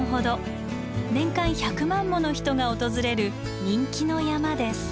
年間１００万もの人が訪れる人気の山です。